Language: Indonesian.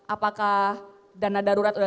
apakah dana darurat udah